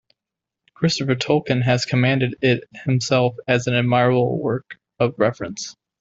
Christopher Tolkien has commended it himself as an "admirable work of reference".